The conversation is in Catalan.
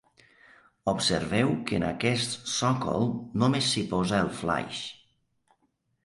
Observeu que en aquest sòcol només s'hi posa el flaix.